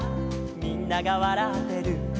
「みんながわらってる」